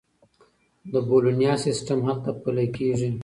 د بولونیا سیستم هلته پلي کیږي.